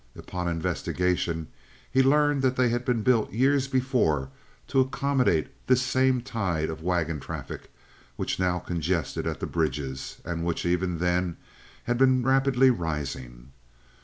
Upon investigation he learned that they had been built years before to accommodate this same tide of wagon traffic, which now congested at the bridges, and which even then had been rapidly rising.